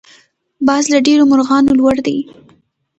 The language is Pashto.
باز له ډېرو مرغانو لوړ دی